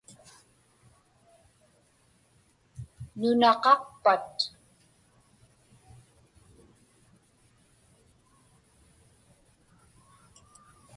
Nunaqaqpat?